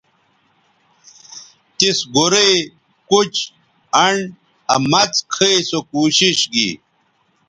تِس گورئ، کُچ، انڈ آ مڅ کھئ سو کوشش گی